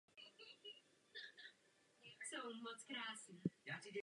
Po jejím skončení se vrátil ke studiím.